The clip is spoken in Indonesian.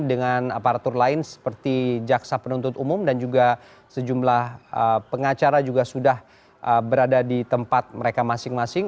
dengan aparatur lain seperti jaksa penuntut umum dan juga sejumlah pengacara juga sudah berada di tempat mereka masing masing